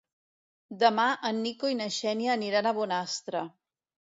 Demà en Nico i na Xènia aniran a Bonastre.